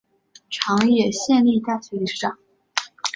长野县立大学理事长。